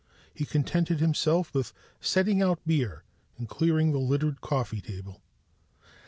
He contented himself with setting out beer and clearing the littered coffee table.